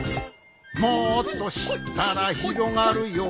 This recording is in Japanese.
「もっとしったらひろがるよ」